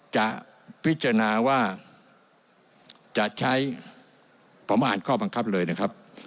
จะพิจารณาว่าจะใช้ผมอ่านข้อบังคับเลยนะครับ